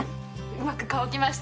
うまく乾きました。